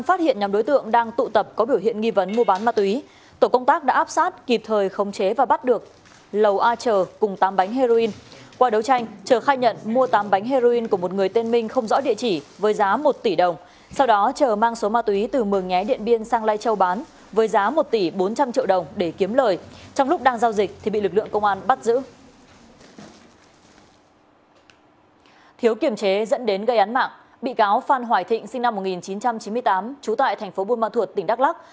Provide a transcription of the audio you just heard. phan hoài thịnh sinh năm một nghìn chín trăm chín mươi tám trú tại thành phố buôn ma thuột tỉnh đắk lắc